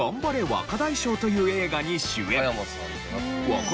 若大将』という映画に主演。